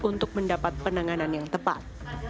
untuk mendapat penanganan yang tepat